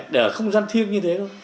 để ở không gian thiêng như thế thôi